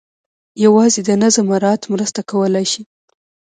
یوازې د نظم مراعات مرسته کولای شي.